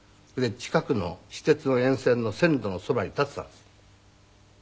それで近くの私鉄の沿線の線路のそばに立ってたんです。